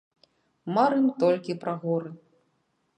Марым толькі пра горы.